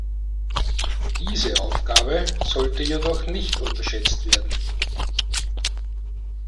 Diese Aufgabe sollte jedoch nicht unterschätzt werden.